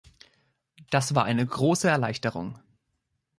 Das war eine große Erleichterung